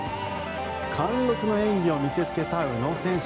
貫禄の演技を見せつけた宇野選手。